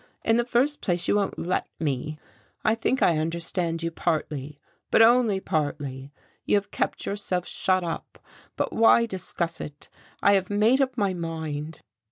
In the first place, you won't let me. I think I understand you, partly but only partly. You have kept yourself shut up. But why discuss it? I have made up my mind."